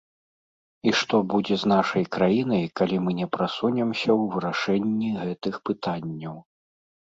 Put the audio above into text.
І што будзе з нашай краінай, калі мы не прасунемся ў вырашэнні гэтых пытанняў?